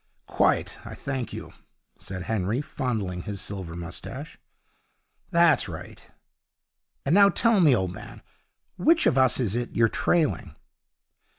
'Quite, I thank you,' said Henry, fondling his silver moustache. 'That's right. And now tell me, old man, which of us is it you're trailing?'